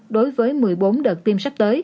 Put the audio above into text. đối với một mươi bốn đợt tiêm sách